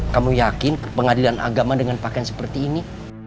kamu yakin pengadilan agama dengan pakaian seperti ini